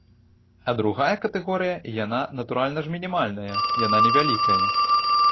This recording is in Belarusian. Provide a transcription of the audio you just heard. А другая катэгорыя, яна, натуральна ж, мінімальная, яна невялікая.